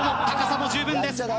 高さも十分です。